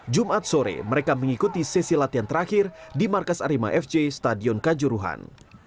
jumat sore mereka mengikuti sesi latihan terakhir di markas arema fc stadion kanjuruhan